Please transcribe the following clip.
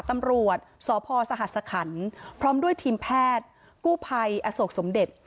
ตำรวจสพสหัสคันพร้อมด้วยทีมแพทย์กู้ภัยอโศกสมเด็จ